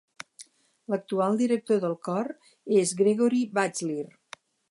L'actual director del cor és Gregory Batsleer.